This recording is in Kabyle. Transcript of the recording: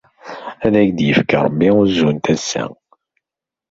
Ad ak-yefk Rebbi uzu n tasa.